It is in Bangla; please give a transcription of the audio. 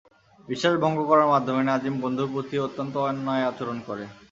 বিশ্বাস ভঙ্গ করার মাধ্যমে নাজিম বন্ধুর প্রতি অত্যন্ত অন্যায় আচরণ করে।